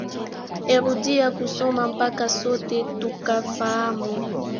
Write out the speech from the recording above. Erudia kusoma mpaka sote tukafahamu